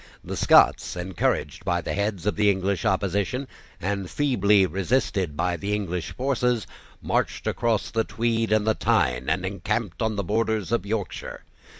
The Scots, encouraged by the heads of the English opposition, and feebly resisted by the English forces, marched across the Tweed and the Tyne, and encamped on the borders of Yorkshire.